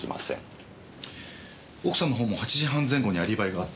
奥さんの方も８時半前後にアリバイがあった。